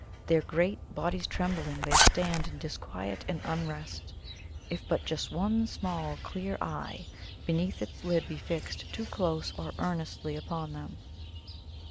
Their great bodies trembling, they stand in disquiet and unrest if but just one small clear eye beneath its lid be fixed too close or earnestly upon them.